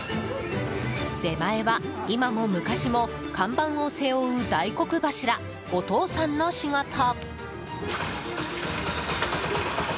出前は今も昔も看板を背負う大黒柱、お父さんの仕事。